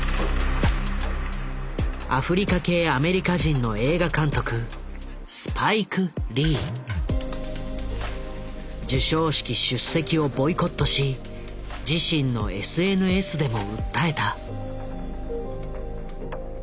アフリカ系アメリカ人の映画監督授賞式出席をボイコットし自身のＳＮＳでも訴えた。